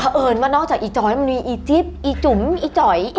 เพราะเอิญว่านอกจากอีจอยมันมีอีจิ๊บอีจุ๋มอีจ๋อย